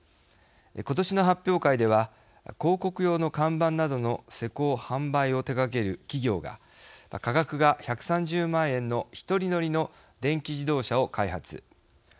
今年の発表会では広告用の看板などの施工・販売を手がける企業が価格が１３０万円の一人乗りの電気自動車を開発。